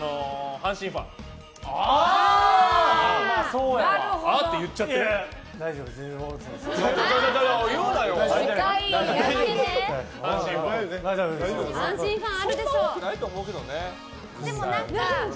阪神ファンあるでしょう。